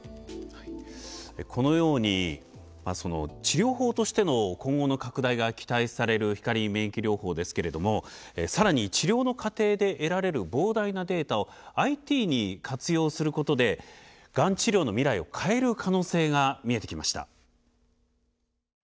このように治療法としての今後の拡大が期待される光免疫療法ですけれども更に治療の過程で得られる膨大なデータをＩＴに活用することでがん治療の未来を変える可能性が見えてきました。